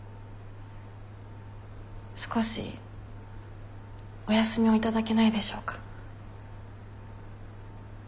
少しお休みを頂けないでしょうか？